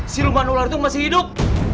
si luman ulernya itu masih hidup